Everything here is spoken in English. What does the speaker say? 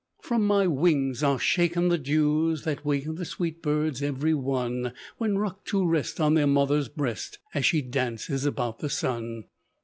From my wings are shaken the dews that waken The sweet birds every one, When rocked to rest on their mother's breast, As she dances about the sun.